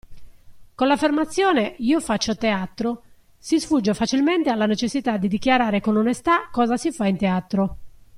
Con l'affermazione "Io faccio teatro!" si sfugge facilmente alla necessità di dichiarare con onestà cosa si fa in teatro.